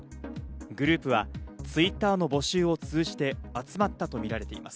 グループはＴｗｉｔｔｅｒの募集を通じて集まったとみられています。